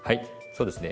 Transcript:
そうですね。